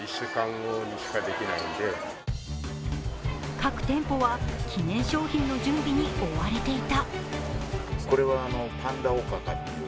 各店舗は記念商品の準備に追われていた。